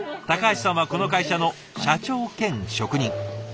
橋さんはこの会社の社長兼職人。